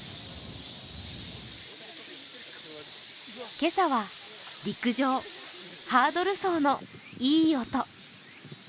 今朝は陸上、ハードル走のいい音。